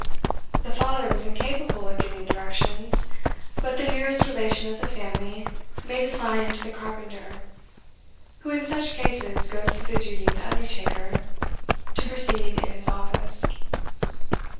The father was incapable of giving directions, but the nearest relation of the family made a sign to the carpenter, who in such cases goes through the duty of the undertaker, to proceed in his office.